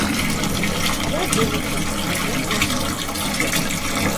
Я вылецеў, а ён завіс.